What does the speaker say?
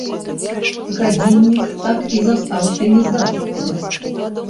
Гадзіннік так і застаўся не здабытым.